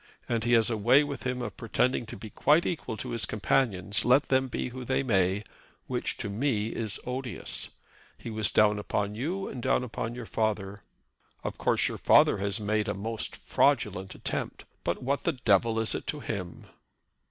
And he has a way with him of pretending to be quite equal to his companions, let them be who they may, which to me is odious. He was down upon you and down upon your father. Of course your father has made a most fraudulent attempt; but what the devil is it to him?"